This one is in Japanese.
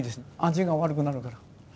味が悪くなるから。